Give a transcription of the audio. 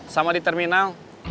sama di terminal